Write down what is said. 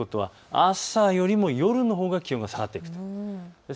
朝よりも夜のほうが気温が下がります。